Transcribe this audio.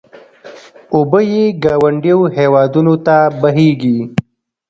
اوبه یې ګاونډیو هېوادونو ته بهېږي.